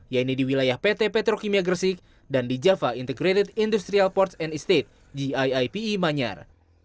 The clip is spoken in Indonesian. yaitu di wilayah pt petrokimia gresik dan di java integrated industrial ports and estate giipe manyar